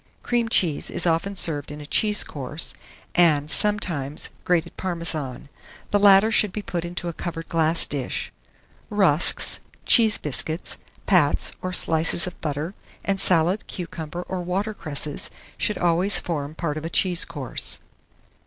Cream cheese is often served in a cheese course, and, sometimes, grated Parmesan: the latter should he put into a covered glass dish. Rusks, cheese biscuits, pats or slices of butter, and salad, cucumber, or water cresses, should always form part of a cheese course.